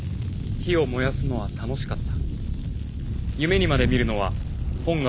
「火を燃やすのは愉しかった」。